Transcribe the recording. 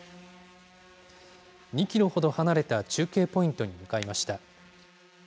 ２キロほど離れた中継ポイントに向かいました。